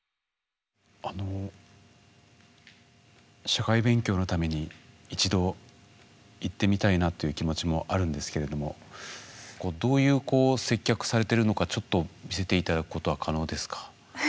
社会勉強のために一度行ってみたいなという気持ちもあるんですけれどもどういう接客されてるのかちょっと見せて頂くことは可能ですか？